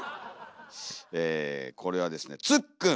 これはですね「つっくん」。